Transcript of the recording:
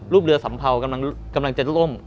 รูปเรือสำเภากำลังจะล้ม